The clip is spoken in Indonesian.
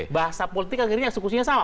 bahasa politik akhirnya eksekusinya sama